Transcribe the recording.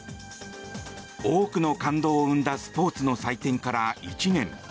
多くの感動を生んだスポーツの祭典から１年。